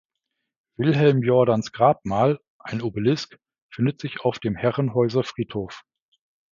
Wilhelm Jordans Grabmal, ein Obelisk, findet sich auf dem Herrenhäuser Friedhof.